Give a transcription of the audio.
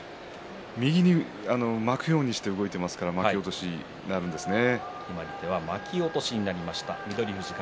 右に巻くように動いていますから巻き落としになるんですね。